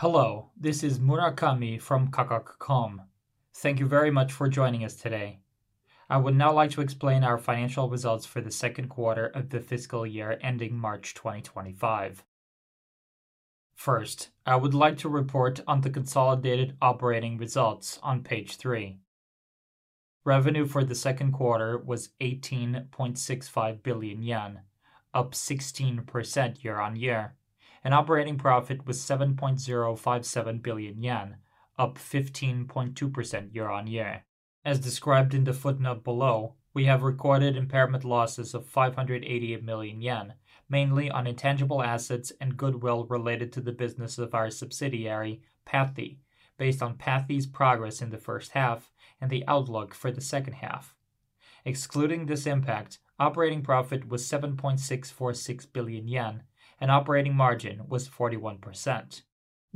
Hello, this is Murakami from Kakaku.com. Thank you very much for joining us today. I would now like to explain our financial results for the second quarter of the fiscal year ending March 2025. First, I would like to report on the consolidated operating results on page three, revenue for the second quarter was 18.65 billion yen, up 16% year-on-year, and operating profit was 7.057 billion yen, up 15.2% year-on-year. As described in the footnote below, we have recorded impairment losses of 588 million yen, mainly on intangible assets and goodwill related to the business of our subsidiary, Pathee, based on Pathee's progress in the first half and the outlook for the second half. Excluding this impact, operating profit was 7.646 billion yen, and operating margin was 41%.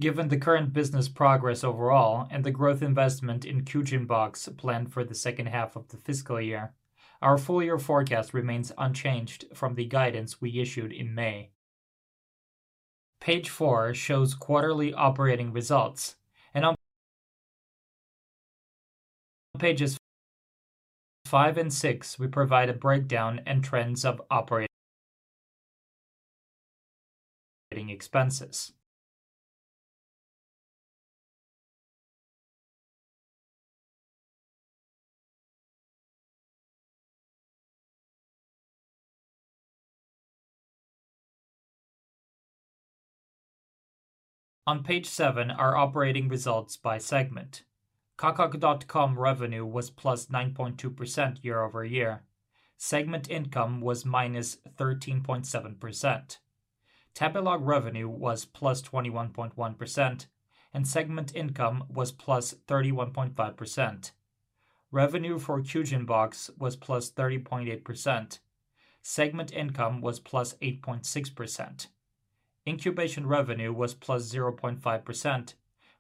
Given the current business progress overall and the growth investment in Kyujin Box planned for the second half of the fiscal year, our full-year forecast remains unchanged from the guidance we issued in May. Page four shows quarterly operating results, and on pages five and six, we provide a breakdown and trends of operating expenses. On page seven are operating results by segment. Kakaku.com revenue was +9.2% year-over-year, segment income was -13.7%, Tabelog revenue was +21.1%, and segment income was +31.5%. Revenue for Kyujin Box was +30.8%, segment income was +8.6%, Incubation revenue was +0.5%,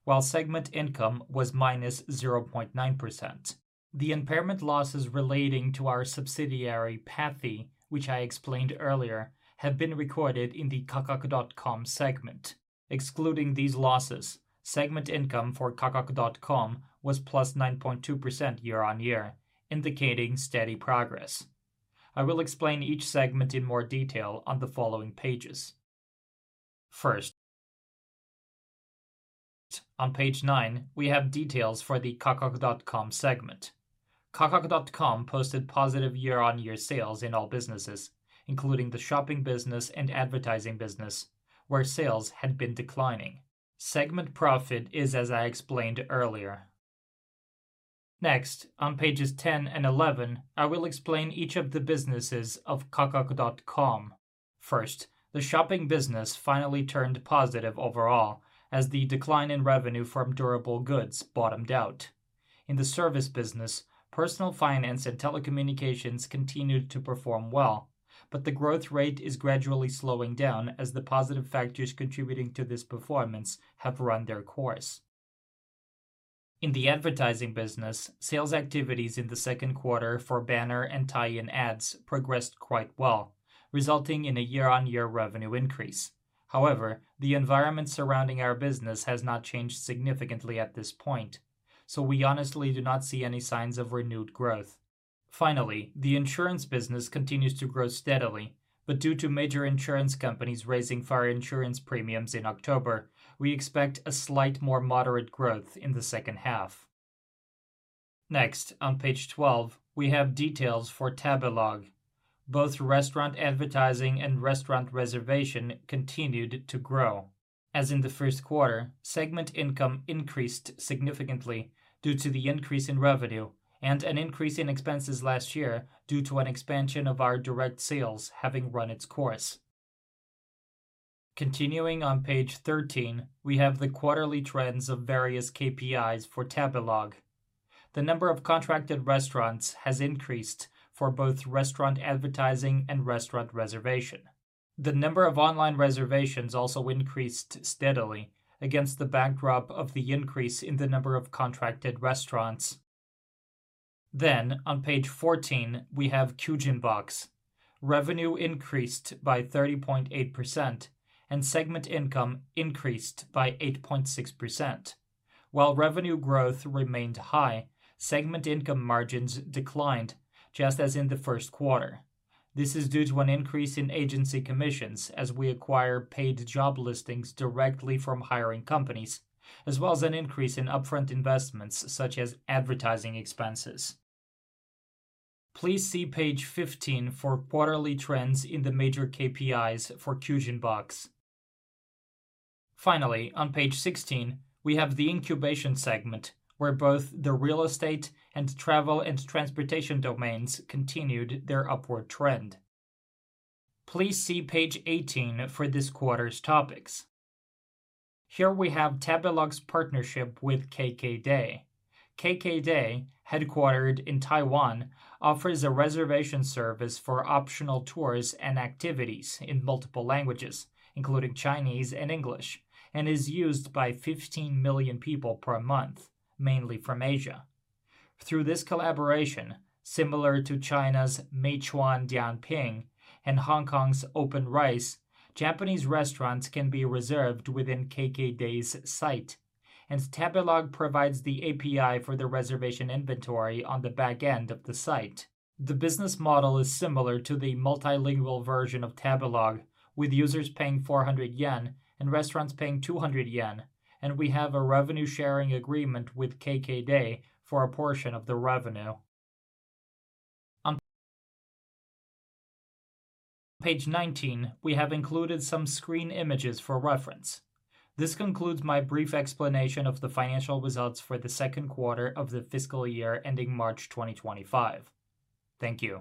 while segment income was -0.9%. The impairment losses relating to our subsidiary, Pathee, which I explained earlier, have been recorded in the Kakaku.com segment. Excluding these losses, segment income for Kakaku.com was +9.2% year-on-year, indicating steady progress. I will explain each segment in more detail on the following pages. First, on page nine, we have details for the Kakaku.com segment. Kakaku.com posted positive year-on-year sales in all businesses, including the Shopping business and Advertising business, where sales had been declining. Segment profit is as I explained earlier. Next, on pages 10 and 11, I will explain each of the businesses of Kakaku.com. First, the Shopping business finally turned positive overall, as the decline in revenue from durable goods bottomed out. In the Service business, personal finance and telecommunications continued to perform well, but the growth rate is gradually slowing down as the positive factors contributing to this performance have run their course. In the Advertising business, sales activities in the second quarter for banner and tie-in ads progressed quite well, resulting in a year-on-year revenue increase. However, the environment surrounding our business has not changed significantly at this point, so we honestly do not see any signs of renewed growth. Finally, the Insurance business continues to grow steadily, but due to major insurance companies raising fire insurance premiums in October, we expect a slightly more moderate growth in the second half. Next, on page 12, we have details for Tabelog. Both Restaurant Advertising and Restaurant Reservation continued to grow. As in the first quarter, segment income increased significantly due to the increase in revenue and an increase in expenses last year due to an expansion of our direct sales having run its course. Continuing on page 13, we have the quarterly trends of various KPIs for Tabelog. The number of contracted restaurants has increased for both Restaurant Advertising and Restaurant Reservation. The number of online reservations also increased steadily against the backdrop of the increase in the number of contracted restaurants. Then, on page 14, we have Kyujin Box. Revenue increased by 30.8%, and segment income increased by 8.6%. While revenue growth remained high, segment income margins declined, just as in the first quarter. This is due to an increase in agency commissions as we acquire paid job listings directly from hiring companies, as well as an increase in upfront investments such as Advertising expenses. Please see page 15 for quarterly trends in the major KPIs for Kyujin Box. Finally, on page 16, we have the Incubation segment, where both the Real Estate and Travel and Transportation domains continued their upward trend. Please see page 18 for this quarter's topics. Here we have Tabelog's partnership with KKday. KKday, headquartered in Taiwan, offers a reservation service for optional tours and activities in multiple languages, including Chinese and English, and is used by 15 million people per month, mainly from Asia. Through this collaboration, similar to China's Meituan Dianping and Hong Kong's OpenRice, Japanese restaurants can be reserved within KKday's site, and Tabelog provides the API for the reservation inventory on the back end of the site. The business model is similar to the multilingual version of Tabelog, with users paying 400 yen and restaurants paying 200 yen, and we have a revenue-sharing agreement with KKday for a portion of the revenue. On page 19, we have included some screen images for reference. This concludes my brief explanation of the financial results for the second quarter of the fiscal year ending March 2025. Thank you.